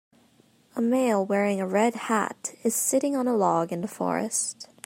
A male wearing a red hat is sitting on a log in the forest.